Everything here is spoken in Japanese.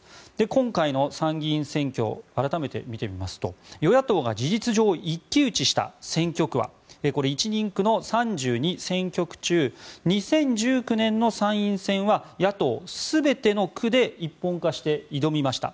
今回の参議院選挙改めて見てみますと与野党が事実上一騎打ちした選挙区は１人区の３２選挙区中２０１９年の参院選は野党、全ての区で一本化して挑みました。